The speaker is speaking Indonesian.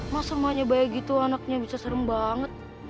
masa emahnya bayi gitu anaknya bisa serem banget